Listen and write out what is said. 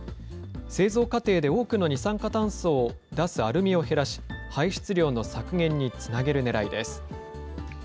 製造過程で多くの二酸化炭素を出すアルミを減らし、排出量の削減につなげるねらいです。